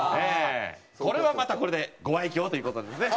これはまたこれでご愛嬌という事でですね。